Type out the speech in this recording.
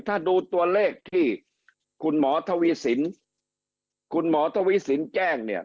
ถ้าดูตัวเลขที่คุณหมอทวีสินคุณหมอทวีสินแจ้งเนี่ย